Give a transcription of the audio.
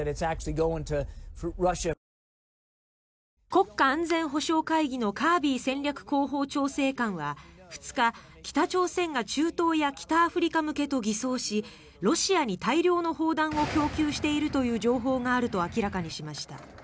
国家安全保障会議のカービー戦略広報調整官は２日北朝鮮が中東や北アフリカ向けと偽装しロシアに大量の砲弾を供給しているという情報があると明らかにしました。